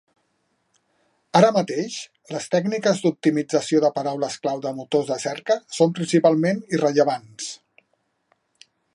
Ara mateix, les tècniques d"optimització de paraules clau de motors de cerca són principalment irrellevants.